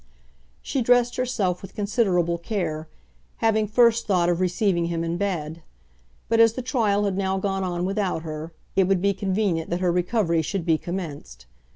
She dressed herself with considerable care, having first thought of receiving him in bed. But as the trial had now gone on without her, it would be convenient that her recovery should be commenced.